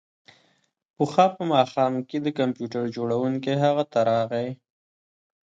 پخوا په ماښام کې د کمپیوټر جوړونکی هغه ته راغی